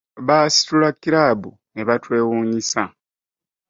Baasitula kiraabu ne batwewuunyisa